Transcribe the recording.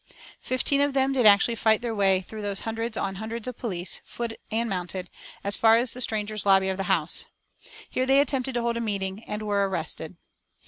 Fifteen of them did actually fight their way through those hundreds on hundreds of police, foot and mounted, as far as the Strangers' Lobby of the House. Here they attempted to hold a meeting, and were arrested.